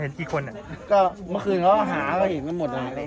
เห็นกี่คนอ่ะก็เมื่อคืนเขาหาก็เห็นทั้งหมดอ่ะ